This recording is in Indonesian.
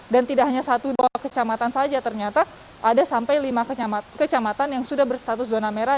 dan tidak hanya satu dua kecamatan saja ternyata ada sampai lima kecamatan yang sudah berstatus zona merah